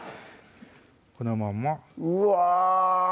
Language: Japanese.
このまんまうわ